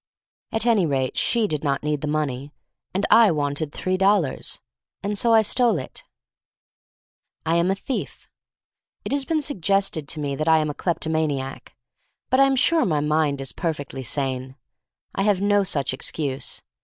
At any rate, she did not need the money, and I wanted three dollars, and so I stole it. THE STORY OF MARY MAC LANE 1 43 I am a thief. It has been suggested to me that I am a kleptomaniac. But I am sure my mind is perfectly sane. I have no such excuse.